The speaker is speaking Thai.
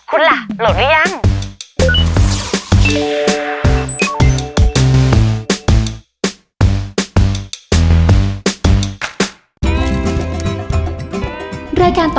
คุณล่ะโหลดหรือยัง